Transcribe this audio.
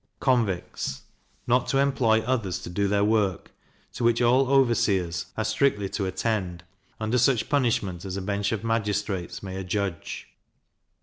Convicts not to employ others to do their work: to which all overseers are strictly to attend, under such punishment as a bench of magistrates may adjudge.